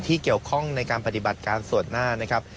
เกี่ยวข้องในการปฏิบัติการส่วนหน้านะครับ